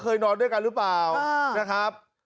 การนอนไม่จำเป็นต้องมีอะไรกัน